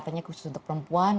katanya khusus untuk perempuan